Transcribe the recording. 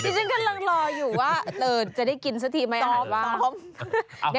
นี่ฉันกำลังรออยู่ว่าจะได้กินสักทีไหมอาหารว่า